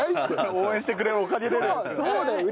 応援してくれるおかげでですよね。